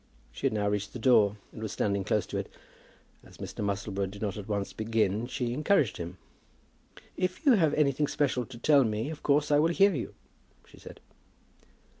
She had now reached the door, and was standing close to it. As Mr. Musselboro did not at once begin, she encouraged him. "If you have anything special to tell me, of course I will hear you," she said.